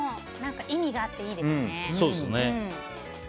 意味があっていいですね。